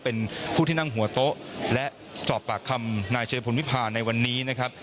เป็นผู้ที่นั่งหัวโต๊ะและสอบปากคำนายชายพลวิพาในวันนี้นะครับ